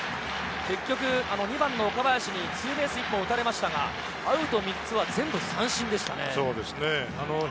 結局２番の岡林にツーベースを１本打たれましたが、アウト３つは全部三振でしたね。